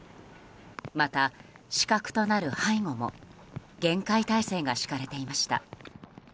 また、死角となる背後も厳戒態勢が敷かれていました。